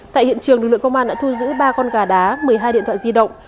tại hiện trường lực lượng công an đã thu giữ ba con gà đá một mươi hai điện thoại di động